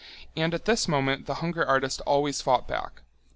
And at this moment the hunger artist always fought back.